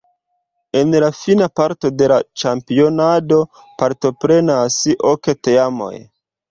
En la fina parto de la ĉampionado partoprenas ok teamoj.